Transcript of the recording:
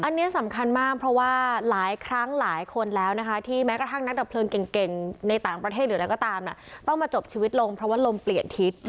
อันนี้สำคัญมากเพราะว่าหลายครั้งหลายคนแล้วนะคะที่แม้กระทั่งนักดับเพลิงเก่งในต่างประเทศหรืออะไรก็ตามต้องมาจบชีวิตลงเพราะว่าลมเปลี่ยนทิศ